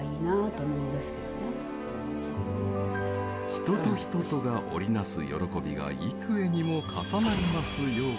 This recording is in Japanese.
人と人とが織りなす喜びが幾重にも重なりますように。